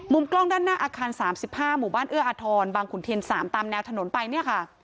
กล้องด้านหน้าอาคาร๓๕หมู่บ้านเอื้ออาทรบางขุนเทียน๓ตามแนวถนนไปเนี่ยค่ะ